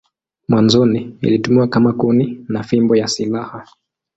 Mwanzoni ilitumiwa kama kuni na fimbo ya silaha.